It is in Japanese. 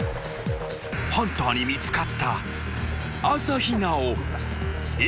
［ハンターに見つかった朝日奈央］